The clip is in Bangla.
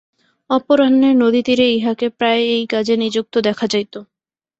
অপরাহ্নে নদীতীরে ইহাকে প্রায় এই কাজে নিযুক্ত দেখা যাইত।